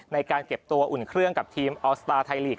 ในการเก็บตัวอุ่นเครื่องกับทีมออสตาร์ไทยลีก